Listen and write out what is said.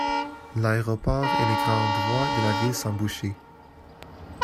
L'aéroport et les grandes voies de la ville sont bouchés.